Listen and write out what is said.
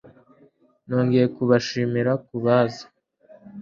Nongeye kubashimira kubaza